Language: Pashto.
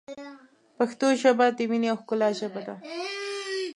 پښتو ژبه ، د مینې او ښکلا ژبه ده.